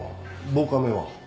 防カメは？